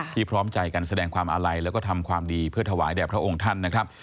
พร้อมใจกันแสดงความอาลัยแล้วก็ทำความดีเพื่อถวายแด่พระองค์ท่านนะครับ